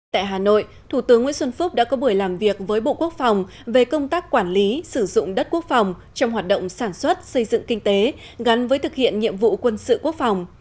tại hà nội thủ tướng nguyễn xuân phúc đã có buổi làm việc với bộ quốc phòng về công tác quản lý sử dụng đất quốc phòng trong hoạt động sản xuất xây dựng kinh tế gắn với thực hiện nhiệm vụ quân sự quốc phòng